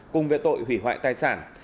cùng về tội hủy hoại tài sản